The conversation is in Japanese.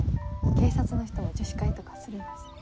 警察の人も女子会とかするんですね。